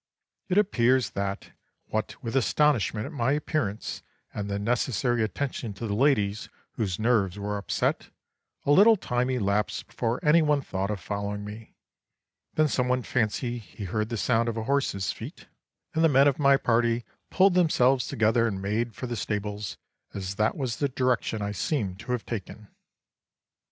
It appears that, what with astonishment at my appearance, and the necessary attentions to the ladies whose nerves were upset, a little time elapsed before any one thought of following me. Then some one fancied he heard the sound of a horse's feet, and the men of my party pulled themselves together and made for the stables, as that was the direction I seemed to have taken.